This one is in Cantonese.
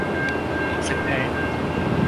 唔識聽